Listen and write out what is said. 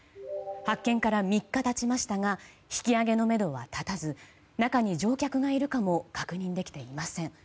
発見から３日経ちましたが引き揚げのめどは立たず中に乗客がいるかも確認できていません。